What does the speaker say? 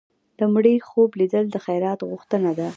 د مړي خوب لیدل د خیرات غوښتنه ده.